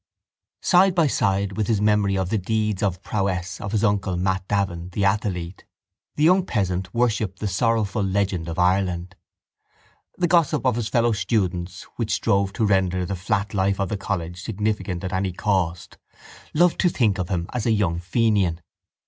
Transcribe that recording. Side by side with his memory of the deeds of prowess of his uncle Mat Davin, the athlete, the young peasant worshipped the sorrowful legend of Ireland. The gossip of his fellow students which strove to render the flat life of the college significant at any cost loved to think of him as a young fenian.